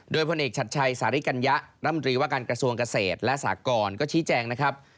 โดยพลเอกชัดชัยสาริกัญญะรัฐมนตรีว่าการกระทรวงเกษตรและสากรก็ชี้แจงนะครับ